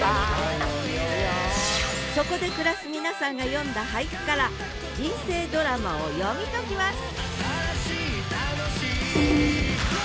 そこで暮らす皆さんが詠んだ俳句から人生ドラマを読み解きます！